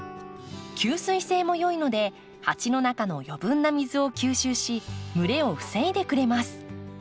吸水性もよいので鉢の中の余分な水を吸収し蒸れを防いでくれます。